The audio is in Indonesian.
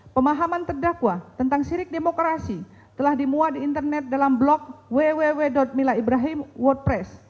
pemahaman terdakwa tentang sirik demokrasi telah dimuat di internet dalam blog www milaibrahim wordpress